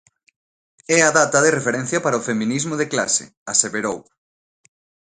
É a data de referencia para o feminismo de clase, aseverou.